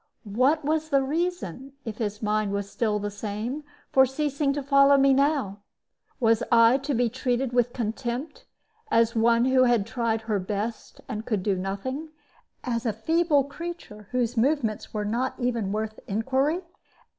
What was the reason, if his mind was still the same, for ceasing to follow me now? Was I to be treated with contempt as one who had tried her best and could do nothing, as a feeble creature whose movements were not even worth inquiry?